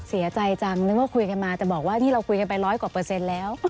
เสียใจจังนึกว่าคุยกันมาแต่บอกว่านี่เราคุยกันไปร้อยกว่าเปอร์เซ็นต์แล้ว